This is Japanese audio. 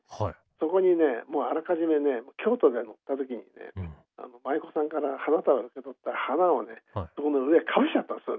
そこにねもうあらかじめね京都で乗った時にね舞子さんから花束受け取った花をねそこの上かぶせちゃったんですよ